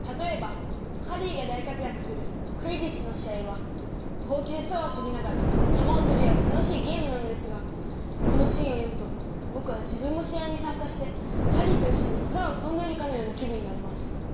たとえばハリーが大活やくするクィディッチの試合はほうきで空を飛びながらたまをとり合う楽しいゲームなのですがこのシーンを読むとぼくは自分も試合にさんかしてハリーといっしょに空を飛んでいるかのような気分になれます。